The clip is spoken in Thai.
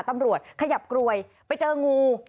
ตำรวจขยับกลวยไปเจองู